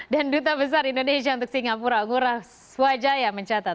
dan duta besar indonesia untuk singapura ngurah swajaya mencatat